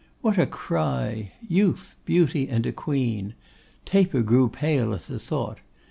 What a cry! Youth, beauty, and a Queen! Taper grew pale at the thought.